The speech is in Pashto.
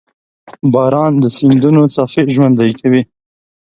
• باران د سیندونو څپې ژوندۍ کوي.